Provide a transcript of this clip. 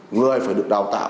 người phải được đào tạo